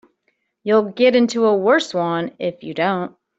You'll get into a worse one if you don't.